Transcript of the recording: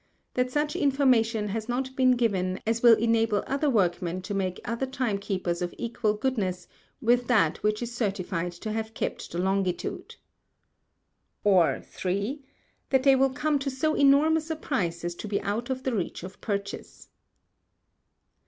That such Information has not been given as will enable other Workmen to make other Time keepers of equal goodness with that which is certified to have kept the Longitude. Or 3. That they will come to so enormous a Price as to be out of the Reach of Purchase.